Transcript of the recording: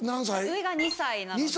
上が２歳なので。